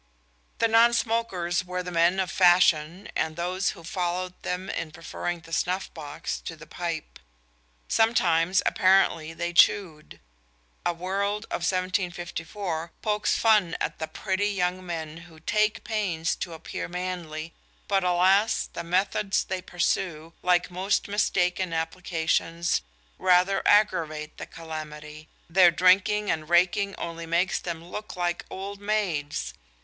The non smokers were the men of fashion and those who followed them in preferring the snuff box to the pipe. Sometimes, apparently, they chewed. A World of 1754 pokes fun at the "pretty" young men who "take pains to appear manly. But alas! the methods they pursue, like most mistaken applications, rather aggravate the calamity. Their drinking and raking only makes them look like old maids.